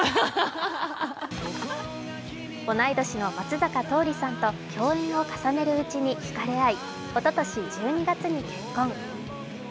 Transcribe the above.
同い年の松坂桃李さんと共演を重ねるうちにひかれ合いおととし１２月に結婚。